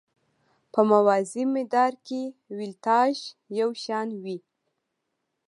په موازي مدار کې ولتاژ یو شان وي.